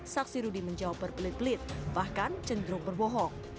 saksi rudy menjawab berpelit pelit bahkan cenderung berbohong